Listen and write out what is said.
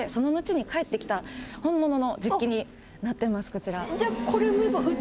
こちら。